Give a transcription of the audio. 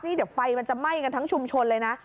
นี่เดี๋ยวไฟมันจะไหม้กันทั้งชุมชนเลยนะ